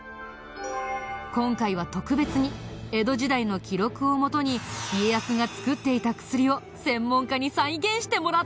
今回は特別に江戸時代の記録をもとに家康が作っていた薬を専門家に再現してもらったよ！